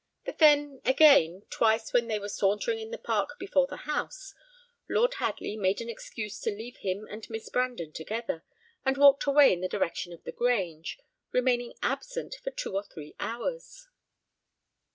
But then, again, twice when they were sauntering in the park before the house, Lord Hadley made an excuse to leave him and Miss Brandon together, and walked away in the direction of the Grange, remaining absent for two or three hours.